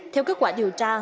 theo kết quả điều tra